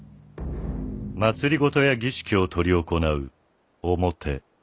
政や儀式を執り行う表。